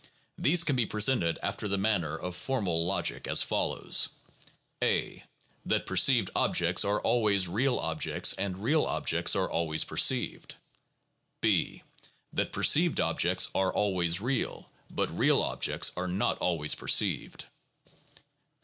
These can be presented after the manner of formal logic as follows : A. That perceived objects are always real objects and real ob jects are always perceived. B. That perceived objects are always real, but real objects are not always perceived.